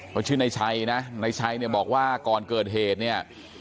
เขาชื่อนายชัยนะนายชัยเนี่ยบอกว่าก่อนเกิดเหตุเนี่ย